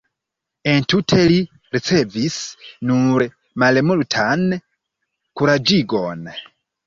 Entute li ricevis nur malmultan kuraĝigon.